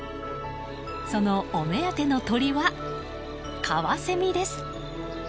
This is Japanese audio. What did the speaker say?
そのお目当ての鳥はカワセミです。